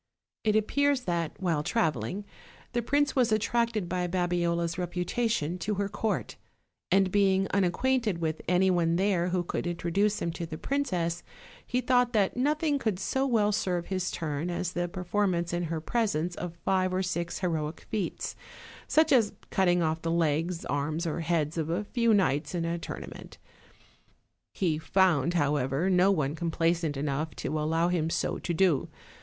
It appears that, while traveling, the prince was at tracted by Babiola's reputation to her court, and being unacquainted with any one there who could introduce him to the princess, he thought that nothing could so well serve his turn as the performance in her presence of five or six heroic feats, such as cutting off the legs, arms or heads of a few knights in a tournament. He found, however, no one complaisant enough to allow him so to do.